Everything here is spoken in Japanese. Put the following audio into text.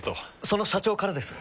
その社長からです。